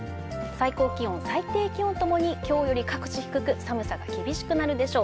最高気温、最低気温ともに、きょうより各地低く、寒さが厳しくなるでしょう。